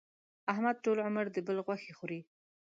احمد ټول عمر د بل غوښې خوري.